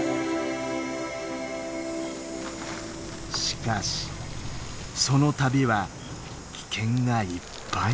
しかしその旅は危険がいっぱい。